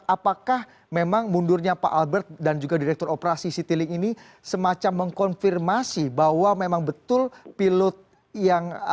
apakah memang mundurnya pak albert dan juga direktur operasi citylink ini semacam mengkonfirmasi bahwa memang betul pilot yang